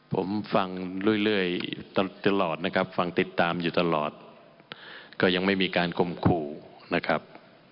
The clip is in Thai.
ผมฟังเรื่อยตลอดนะครับฟังติดตามอยู่ตลอดก็ยังไม่มีการคมขู่นะครับ